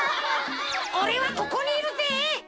おれはここにいるぜ！